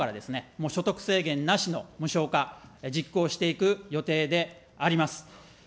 もう所得制限なしの無償化、実行していく予定であります。